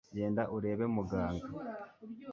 genda urebe muganga